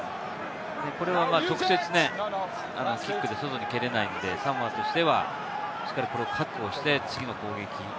これは直接キックで外に蹴れないんで、サモアとしてはしっかりこれを確保して、次の攻撃。